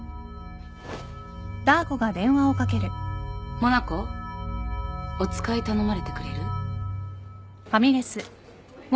モナコお使い頼まれてくれる？